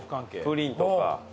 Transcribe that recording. プリンとか。